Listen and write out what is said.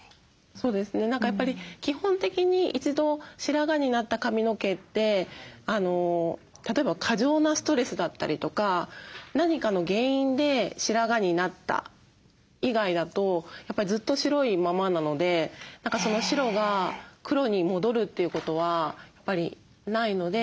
そうですね何かやっぱり基本的に一度白髪になった髪の毛って例えば過剰なストレスだったりとか何かの原因で白髪になった以外だとやっぱずっと白いままなので何かその白が黒に戻るということはやっぱりないので。